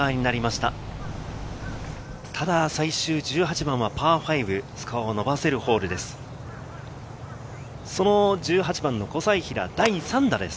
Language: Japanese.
ただ最終１８番はパー５、スコアを伸ばせるホールです。